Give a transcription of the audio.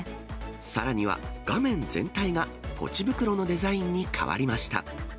さらには、画面全体がポチ袋のデザインに変わりました。